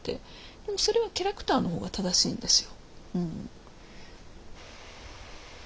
でもそれはキャラクターの方が正しいんですよ。